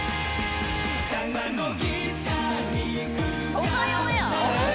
東海オンエア！？